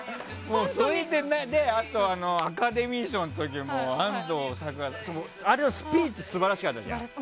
あと、アカデミー賞の時も安藤サクラさんのスピーチ素晴らしかったじゃん。